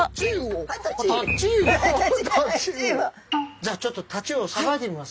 じゃあちょっとタチウオさばいてみます。